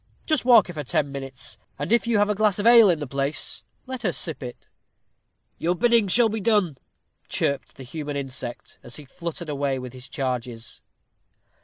Just walk her for ten minutes, and if you have a glass of ale in the place, let her sip it." "Your bidding shall be done," chirped the human insect, as he fluttered away with his charges.